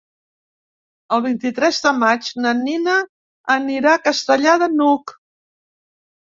El vint-i-tres de maig na Nina anirà a Castellar de n'Hug.